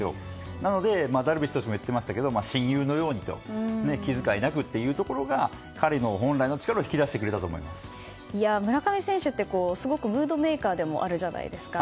なので、ダルビッシュ投手も言っていましたけど親友のようにと気遣いなくというところが彼の本来の力を村上選手ってすごくムードメーカーでもあるじゃないですか。